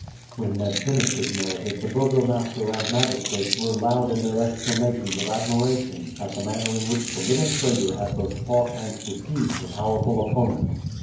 When Ned finished his narrative the burgomaster and magistrates were loud in their exclamations of admiration at the manner in which the little trader had both fought and deceived her powerful opponent.